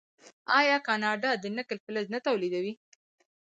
آیا کاناډا د نکل فلز نه تولیدوي؟